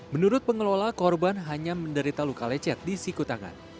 menurut pengelola korban hanya menderita luka lecet di siku tangan